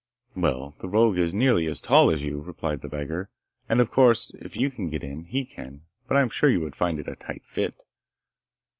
'Well, the rogue is nearly as tall as you,' replied the beggar, 'and, of course, if you can get in, he can. But I am sure you would find it a tight fit.